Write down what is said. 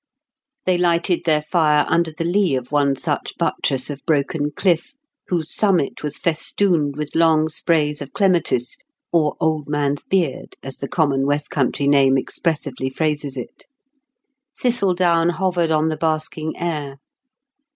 They lighted their fire under the lee of one such buttress of broken cliff, whose summit was festooned with long sprays of clematis, or "old man's beard", as the common west country name expressively phrases it. Thistledown hovered on the basking air.